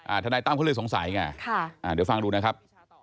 ทนายตั้มเขาเลยสงสัยไงค่ะอ่าเดี๋ยวฟังดูนะครับ